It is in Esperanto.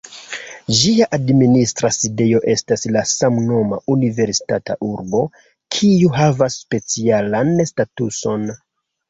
Ĝia administra sidejo estas la samnoma universitata urbo, kiu havas specialan statuson.